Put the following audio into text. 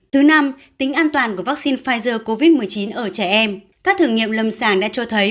thứ năm tính an toàn của vắc xin pfizer covid một mươi chín ở trẻ em các thử nghiệm lầm sàng đã cho thấy